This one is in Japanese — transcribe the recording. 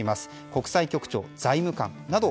国際局長、財務官など。